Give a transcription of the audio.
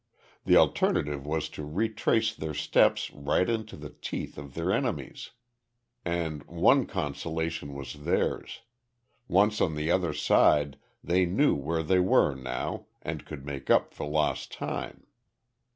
The alternative was to retrace their steps right into the teeth of their enemies. And one consolation was theirs. Once on the other side they knew where they were now, and could make up for lost time.